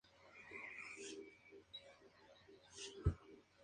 Se distribuye por la península balcánica, noroeste de Turquía, e islas del mar Egeo.